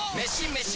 メシ！